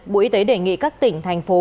bộ y tế đề nghị các tỉnh thành phố